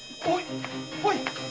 おい！